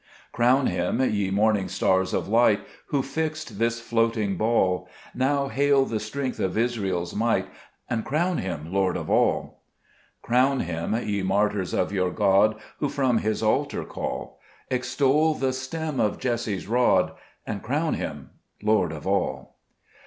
2 Crown Him, ye morning stars of light, Who fixed this floating ball ; Now hail the strength of Israel's might, And crown Him Lord of all. 3 Crown Him, ye martyrs of your God Who from His altar call ; Extol the Stem of Jesse's rod, And crown Him Lord of all.